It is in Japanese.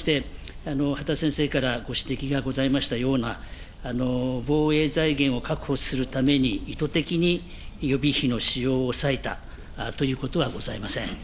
したがいまして、羽田先生からご指摘がございましたような、防衛財源を確保するために意図的に予備費の使用を抑えたということはございません。